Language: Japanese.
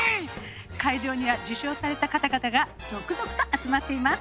会場には受賞された方々が続々と集まっています。